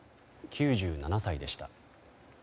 ９７歳でした。